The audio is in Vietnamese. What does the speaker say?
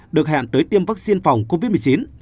được hẹn tới tiêm vaccine phòng covid một mươi chín